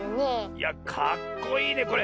いやかっこいいねこれ。